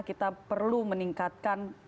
kita perlu meningkatkan